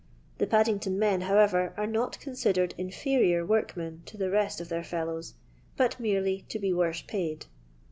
The Paddingtonmen, however, are not considered inferior workmen to the rest of their fellows, but merely to be worse paid.